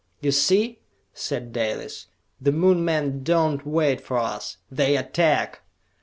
"You see?" said Dalis. "The Moon men do not wait for us! They attack!"